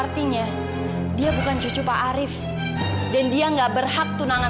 sampai jumpa di video selanjutnya